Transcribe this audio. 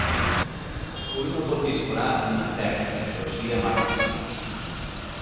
Un no pot disparar amb mantega, però sí amb armes.